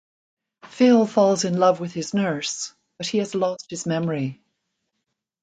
Phil falls in love with his nurse but he has lost his memory.